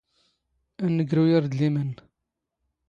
ⴰⴷ ⵏⴳⵔⵓ ⴰⵔⴷⵍⵉⵎ ⴰⵏⵏ.